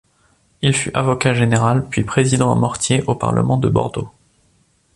Il fut avocat général, puis président à mortier au parlement de Bordeaux.